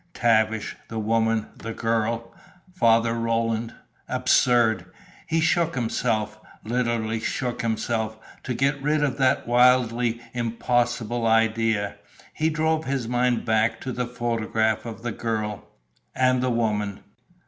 Tavish, the woman, the girl Father Roland! Absurd. He shook himself, literally shook himself, to get rid of that wildly impossible idea. He drove his mind back to the photograph of the girl and the woman.